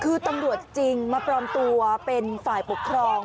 คือตำรวจจริงมาปลอมตัวเป็นฝ่ายปกครอง